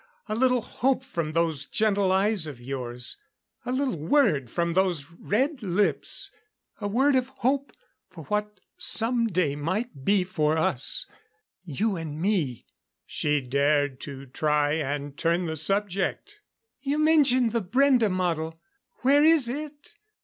A little hope from those gentle eyes of yours a little word from those red lips a word of hope for what some day might be for us you and me " She dared to try and turn the subject. "You mentioned the Brende model where is it?